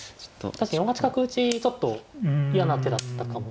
確かに４八角打ちちょっと嫌な手だったかもしれないですかね。